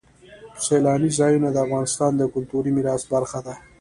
سیلانی ځایونه د افغانستان د کلتوري میراث برخه ده.